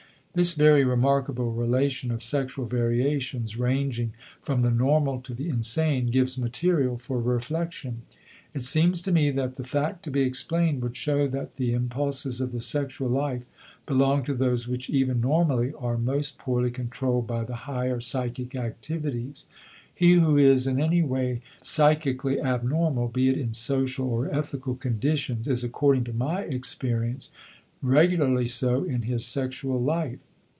This very remarkable relation of sexual variations ranging from the normal to the insane gives material for reflection. It seems to me that the fact to be explained would show that the impulses of the sexual life belong to those which even normally are most poorly controlled by the higher psychic activities. He who is in any way psychically abnormal, be it in social or ethical conditions, is, according to my experience, regularly so in his sexual life.